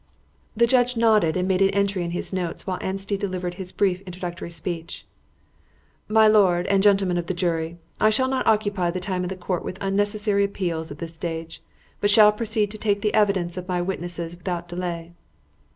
The judge nodded and made an entry in his notes while Anstey delivered his brief introductory speech "My lord and gentlemen of the jury, I shall not occupy the time of the Court with unnecessary appeals at this stage, but shall proceed to take the evidence of my witnesses without delay."